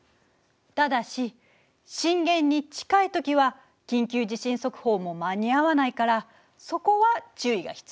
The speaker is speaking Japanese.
ただし震源に近い時は緊急地震速報も間に合わないからそこは注意が必要ね。